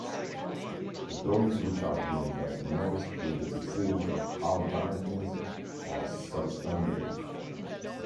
The dogs which have been diagnosed with a disease of albinism are substandard.